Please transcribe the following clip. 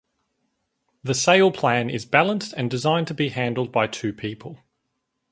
The sail plan is balanced and designed to be handled by two people.